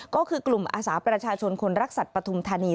ก็คือกลุ่มอาสาประชาชนคนรักสัตว์ปฐุมธานี